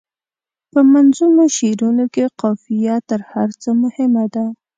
په منظومو شعرونو کې قافیه تر هر څه مهمه ده.